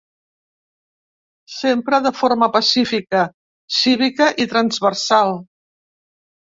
Sempre de forma pacífica, cívica i transversal.